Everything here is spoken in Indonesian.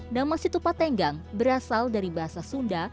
nama situpat tenggang berasal dari bahasa sunda